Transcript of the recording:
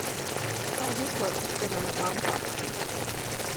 All his work has been on a non-profit basis.